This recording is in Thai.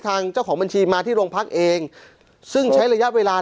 เจ้าของบัญชีมาที่โรงพักเองซึ่งใช้ระยะเวลา